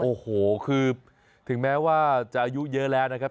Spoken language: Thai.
โอ้โหคือถึงแม้ว่าจะอายุเยอะแล้วนะครับ